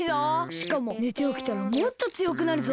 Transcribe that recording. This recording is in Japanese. しかも寝ておきたらもっとつよくなるぞ！